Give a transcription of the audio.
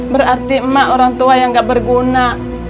berarti emak orang tua yang gak berguna